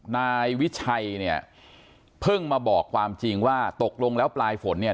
นายวิชัยเนี่ยเพิ่งมาบอกความจริงว่าตกลงแล้วปลายฝนเนี่ย